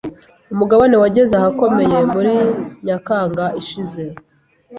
Umugabane wageze ahakomeye muri Nyakanga ishize.